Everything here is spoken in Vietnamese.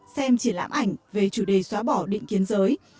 xem triển lãm ảnh về chủ đề xóa bỏ định kiến giới